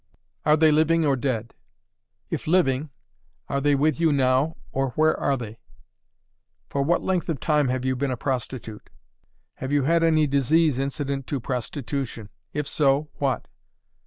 "Are they living or dead? "If living, are they with you now, or where are they? "For what length of time have you been a prostitute? "Have you had any disease incident to prostitution? If so, what?